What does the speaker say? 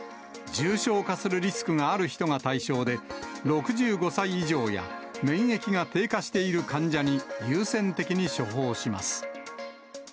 重症化するリスクがある人が対象で、６５歳以上や、免疫が低下している患者に優先的に処方します。